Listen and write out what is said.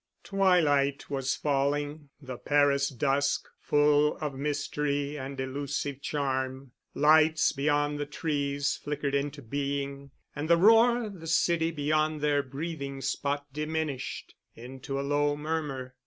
Twilight was falling, the Paris dusk, full of mystery and elusive charm; lights beyond the trees flickered into being, and the roar of the city beyond their breathing spot diminished into a low murmur.